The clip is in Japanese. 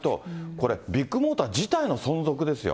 これ、ビッグモーター自体の存続ですよ。